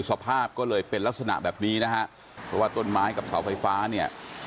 สภาพก็เลยเป็นลักษณะแบบนี้นะฮะเพราะว่าต้นไม้กับเสาไฟฟ้าเนี่ย